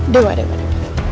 dua dua dua